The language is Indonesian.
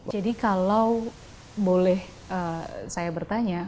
jadi kalau boleh saya bertanya